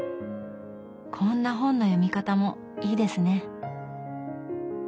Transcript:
こんな本の読み方もいいですね。